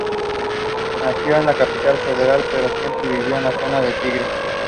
Nació en la Capital Federal, pero siempre vivió en la zona de Tigre.